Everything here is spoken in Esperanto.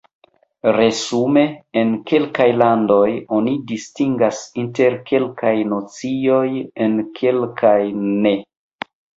Resume, en kelkaj landoj oni distingas inter kelkaj nocioj, en kelkaj ne.